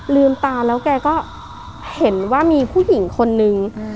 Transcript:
ลืมตาแล้วแกก็เห็นว่ามีผู้หญิงคนนึง